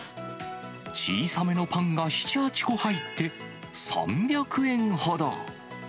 小さめのパンが７、８個入って、３００円ほど。